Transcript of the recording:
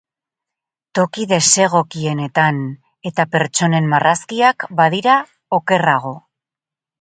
Toki desegokienetan! Eta pertsonen marrazkiak badira okerrago.